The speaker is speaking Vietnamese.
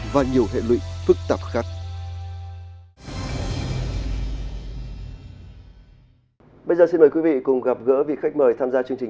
và nhiều hệ lụy phức tạp khác